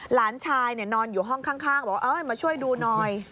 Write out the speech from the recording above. หลานชายนอนอยู่ห้องข้างบอกว่ามาช่วยดูหน่อย